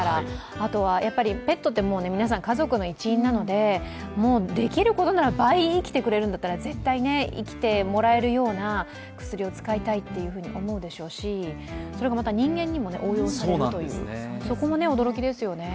あとはペットって皆さん、家族の一員なので、もう、できることなら倍生きてくれるんだったら絶対生きてもらえるような薬を使いたいと思うでしょうし、それがまた人間にも応用される、そこも驚きですよね。